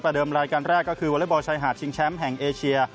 เดิมรายการแรกก็คือวอเล็กบอลชายหาดชิงแชมป์แห่งเอเชีย